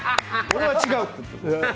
俺は違うと。